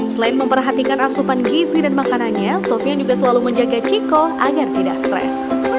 selain memperhatikan asupan gizi dan makanannya sofian juga selalu menjaga ciko agar tidak stres